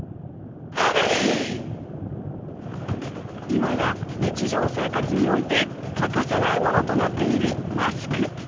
今や、日常生活において欠かせないものとなっているマスク。